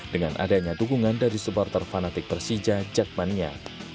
dengan adanya dukungan dari supporter fanatik persija jack mania